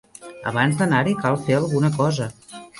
Abans d'anar-hi cal fer alguna cosa.